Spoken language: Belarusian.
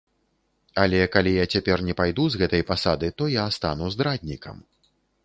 Але калі я цяпер не пайду з гэтай пасады, то я стану здраднікам.